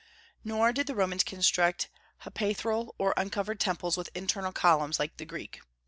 Nor did the Romans construct hypaethral or uncovered temples with internal columns, like the Greeks.